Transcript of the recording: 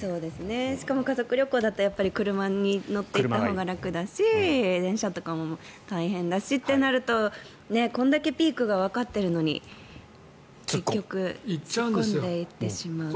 しかも家族旅行だと車で乗っていったほうが楽だし電車とかも大変だしってなるとこれだけピークがわかっているのに結局、突っ込んでいってしまうという。